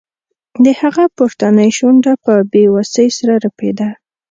د هغه پورتنۍ شونډه په بې وسۍ سره رپیده